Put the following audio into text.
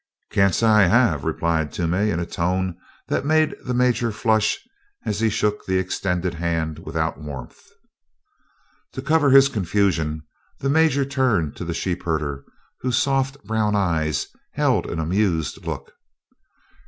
"Can't say I have," replied Toomey in a tone that made the Major flush as he shook the extended hand without warmth. To cover his confusion, the Major turned to the sheepherder whose soft brown eyes held an amused look.